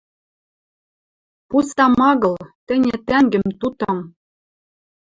Пустам агыл, тӹньӹ тӓнгӹм тутым